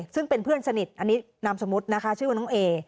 ซึ่งเป็นเพื่อนสนิทอันนี้นามสมมุตินะคะชื่อว่าน้องเอ